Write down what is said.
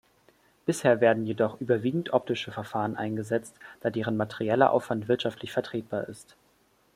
Bisher werden jedoch überwiegend optische Verfahren eingesetzt, da deren materieller Aufwand wirtschaftlich vertretbar ist.